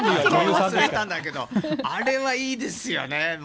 忘れたんだけどあれはいいですよね。